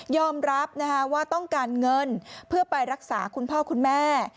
รับว่าต้องการเงินเพื่อไปรักษาคุณพ่อคุณแม่